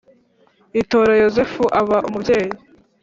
Itora Yozefu aba umubyeyi.